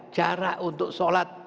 cara untuk salat